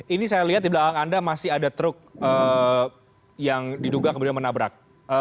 ini saya lihat di belakang anda masih ada truk yang diduga kemudian menabrak